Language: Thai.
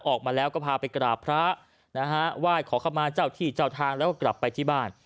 ออกมาแล้วก็พาไปกราบพระนะฮะไหว้ขอเข้ามาเจ้าที่เจ้าทางแล้วก็กลับไปที่บ้าน